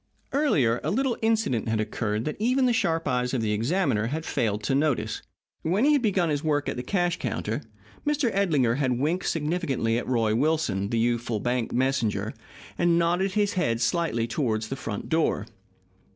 Earlier, a little incident had occurred that even the sharp eyes of the examiner had failed to notice. When he had begun his work at the cash counter, Mr. Edlinger had winked significantly at Roy Wilson, the youthful bank messenger, and nodded his head slightly toward the front door.